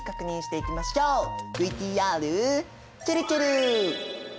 ＶＴＲちぇるちぇる！